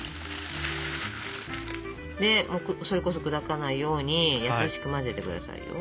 でそれこそ砕かないように優しく混ぜて下さいよ。